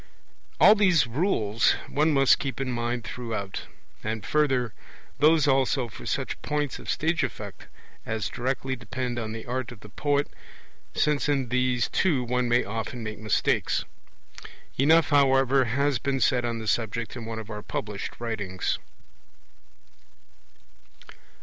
All these rules one must keep in mind throughout, and further, those also for such points of stage effect as directly depend on the art of the poet, since in these too one may often make mistakes. Enough, however, has been said on the subject in one of our published writings.